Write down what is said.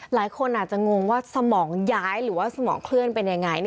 หลายคนอาจจะงงว่าสมองย้ายหรือว่าสมองเคลื่อนเป็นยังไง